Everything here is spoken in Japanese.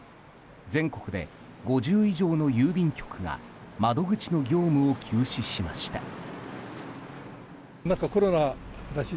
全国で５０以上の郵便局が窓口の業務を休止しました。